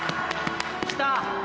来た！